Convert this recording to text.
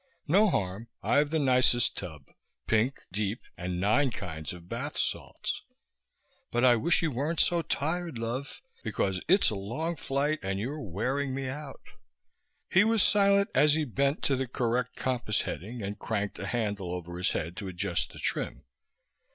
"No harm. I've the nicest tub pink, deep and nine kinds of bath salts. But I wish you weren't so tired, love, because it's a long flight and you're wearing me out." He was silent as he bent to the correct compass heading and cranked a handle over his head to adjust the trim.